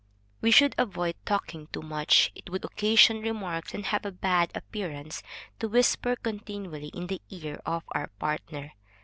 We should avoid talking too much; it would occasion remarks and have a bad appearance to whisper continually in the ear of our partner.